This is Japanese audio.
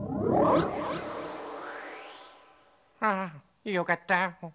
あよかった。